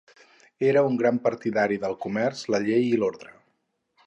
Era un gran partidari del comerç, la llei i l'ordre.